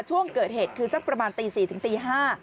ช่วงเกิดเหตุคือสักประมาณตี๔ถึงตี๕